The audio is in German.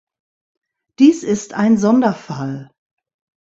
Dies ist ein Sonderfall.